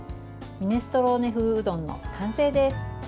ミネストローネ風うどんの完成です。